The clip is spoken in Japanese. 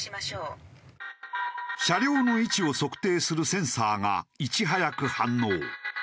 車両の位置を測定するセンサーがいち早く反応。